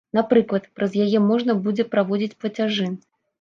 Напрыклад, праз яе можна будзе праводзіць плацяжы.